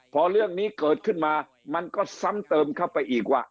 พอเรื่องนี้เกิดขึ้นมามันก็ซ้ำเติมเข้าไปอีกว่า